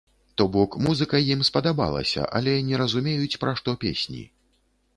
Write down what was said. То бок музыка ім спадабалася, але не разумеюць, пра што песні.